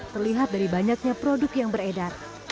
terlihat dari banyaknya produk yang beredar